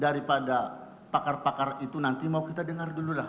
daripada pakar pakar itu nanti mau kita dengar dulu lah